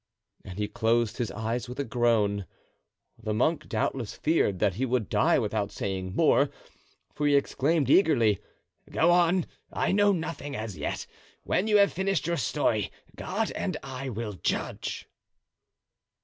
and he closed his eyes with a groan. The monk doubtless feared that he would die without saying more, for he exclaimed eagerly: "Go on, I know nothing, as yet; when you have finished your story, God and I will judge."